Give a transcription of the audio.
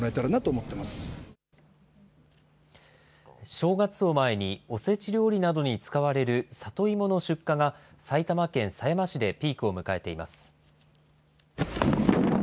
正月を前に、おせち料理などに使われる、里芋の出荷が埼玉県狭山市でピークを迎えています。